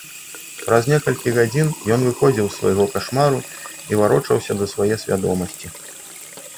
Праз некалькі гадзін ён выходзіў з свайго кашмару і варочаўся да свае свядомасці.